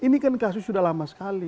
ini kan kasus sudah lama sekali